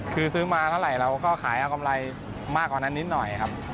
คือซื้อมาเท่าไหร่เราก็ขายเอากำไรมากกว่านั้นนิดหน่อยครับ